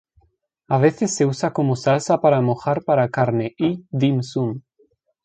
A veces se usa como salsa para mojar para carne y "dim sum".